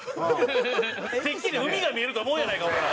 てっきり海が見えると思うやないか俺ら。